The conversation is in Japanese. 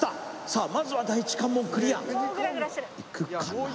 さあまずは第一関門クリアいくかな？